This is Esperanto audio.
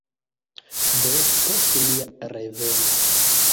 Do, post mia reveno